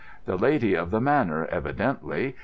The lady of the manor, evidently.